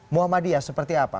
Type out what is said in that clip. muhammadiyah seperti apa